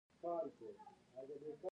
د میوو مګس څنګه کنټرول کړم؟